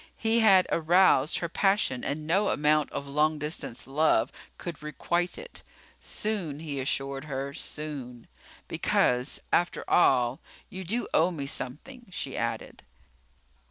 He had aroused her passion and no amount of long distance love could requite it. Soon, he assured her, soon. "Because, after all, you do owe me something," she added.